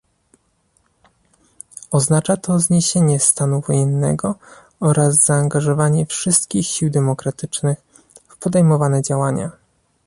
Oznacza to zniesienie stanu wojennego oraz zaangażowanie wszystkich sił demokratycznych w podejmowane działania